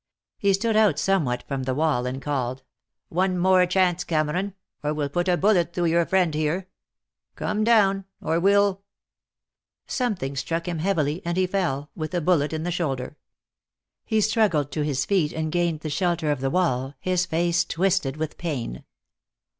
He stood out somewhat from the wall and called: "One more chance, Cameron, or we'll put a bullet through your friend here. Come down, or we'll " Something struck him heavily and he fell, with a bullet in the shoulder. He struggled to his feet and gained the shelter of the wall, his face twisted with pain.